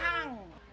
dikasih amat bang